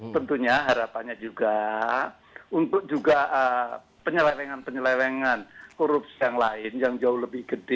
tentunya harapannya juga untuk juga penyelewengan penyelewengan korupsi yang lain yang jauh lebih gede